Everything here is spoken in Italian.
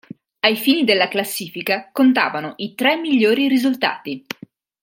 Ai fini della classifica contavano i tre migliori risultati.